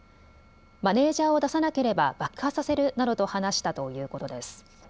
マネージャーを出さなければ爆破させるなどと話したということです。